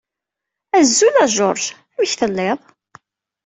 Azul a George! Amek tellid?